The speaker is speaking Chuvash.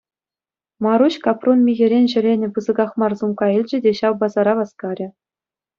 Маруҫ капрун михӗрен ҫӗленӗ пысӑках мар сумка илчӗ те ҫав пасара васкарӗ.